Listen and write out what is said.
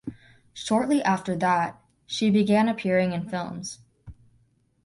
Shortly after that, she began appearing in films.